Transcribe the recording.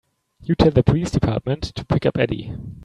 You tell the police department to pick up Eddie.